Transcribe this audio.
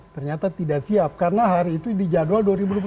ternyata tidak siap karena hari itu dijadwal dua ribu dua puluh satu